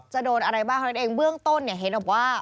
จะโดนอะไรบ้างเบื้องต้นเนี่ยเห็นออกว่า